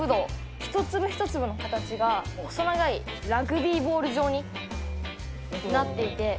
一粒一粒の形が、細長いラグビーボール状になっていて。